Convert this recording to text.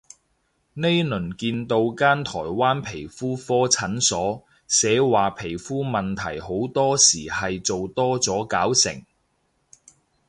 呢輪見到間台灣皮膚科診所，寫話皮膚問題好多時係做多咗搞成